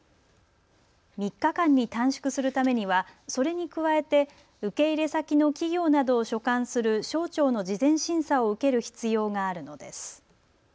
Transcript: ３日間に短縮するためにはそれに加えて受け入れ先の企業などを所管する省庁の事前審査を受ける必要があるのです。